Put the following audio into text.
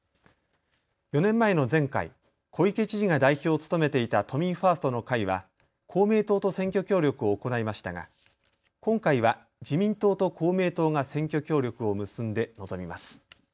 ４年前の前回、小池知事が代表を務めていた都民ファーストの会は公明党と選挙協力を行いましたが今回は自民党と公明党が選挙協力を結んで臨みます。